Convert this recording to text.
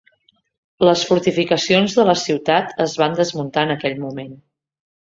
Les fortificacions de la ciutat es van desmuntar en aquell moment.